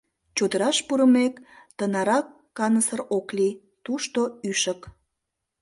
Чодыраш пурымек, тынарак каньысыр ок лий, тушто ӱшык.